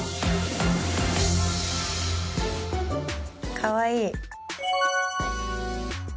かわいい。